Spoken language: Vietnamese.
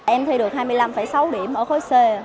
em thi được hai mươi năm sáu điểm ở khối c